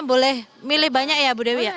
boleh milih banyak ya bu dewi ya